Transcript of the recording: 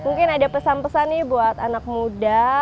mungkin ada pesan pesannya buat anak muda